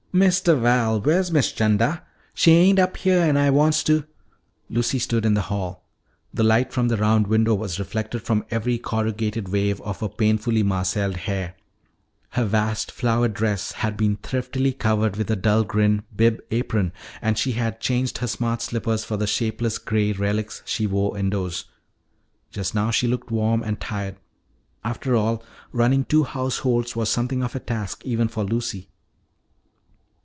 "Mistuh Val, wheah's Miss 'Chanda? She ain't up heah an' Ah wan's to " Lucy stood in the hall. The light from the round window was reflected from every corrugated wave of her painfully marcelled hair. Her vast flowered dress had been thriftily covered with a dull green bib apron and she had changed her smart slippers for the shapeless gray relics she wore indoors. Just now she looked warm and tired. After all, running two households was something of a task even for Lucy.